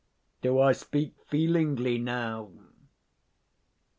Do I speak feelingly now?